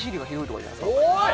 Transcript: おい！